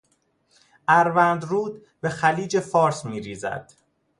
اروند رود به خلیج فارس میریزد.